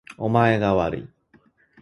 お前がわるい